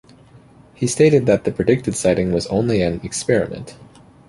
He stated that the predicted sighting was only an "experiment".